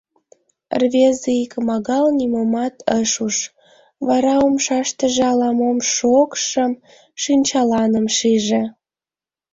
Рвезе икмагал нимомат ыш уж, вара умшаштыже ала-мом шокшым, шинчаланым шиже.